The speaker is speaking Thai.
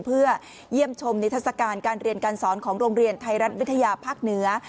เพื่อเยี่ยมชมนิทัศกาลการเรียนการสอนของโรงเรียนไทยรัฐวิทยาภาคเหนือ